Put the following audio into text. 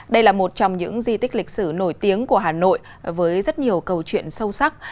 đây là một trong những di tích lịch sử nổi tiếng của hà nội với rất nhiều câu chuyện sâu sắc